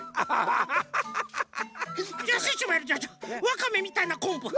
ワカメみたいなコンブ。